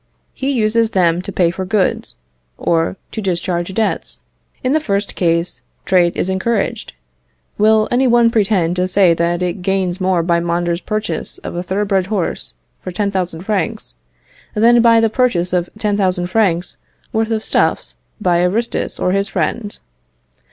He uses them to pay for goods, or to discharge debts. In the first case, trade is encouraged. Will any one pretend to say that it gains more by Mondor's purchase of a thoroughbred horse for 10,000 francs than by the purchase of 10,000 francs' worth of stuffs by Aristus or his friend?